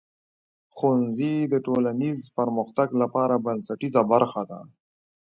ښوونځی د ټولنیز پرمختګ لپاره بنسټیزه برخه ده.